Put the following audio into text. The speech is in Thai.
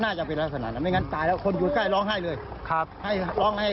น่าจะบีดราศนานท์ไม่งั้นตายแล้วคนอยู่ใกล้มองได้เลย